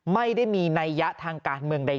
ไม่ได้มีนัยยะทางการเมืองใด